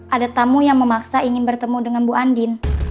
ada tamu yang memaksa ingin bertemu dengan bu andin